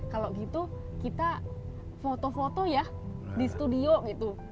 kalau gitu kita foto foto ya di studio gitu